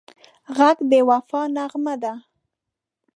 غږ د وفا نغمه ده